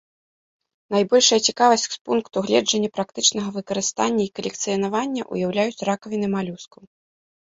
Найбольшая цікавасць з пункту гледжання практычнага выкарыстання і калекцыянавання ўяўляюць ракавіны малюскаў.